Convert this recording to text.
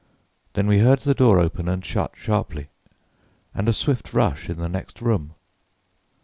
Then we heard the door open and shut sharply, and a swift rush in the next room.